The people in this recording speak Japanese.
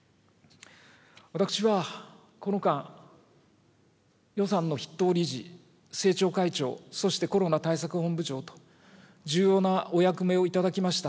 私はこの間、予算の筆頭理事、政調会長、そしてコロナ対策本部長と、重要なお役目を頂きました。